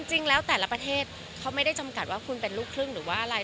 จริงแล้วแต่ละประเทศเขาไม่ได้จำกัดว่าคุณเป็นลูกครึ่งหรือว่าอะไร